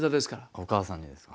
お母さんですか。